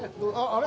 あれ？